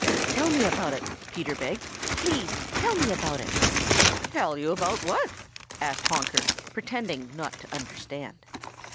"Tell me about it," Peter begged. "Please tell me about it." "Tell you about what?" asked Honker, pretending not to understand.